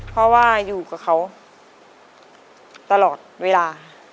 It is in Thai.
เพราะว่าอยู่กับเขาตลอดเวลา